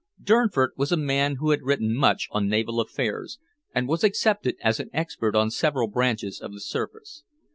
Durnford was a man who had written much on naval affairs, and was accepted as an expert on several branches of the service.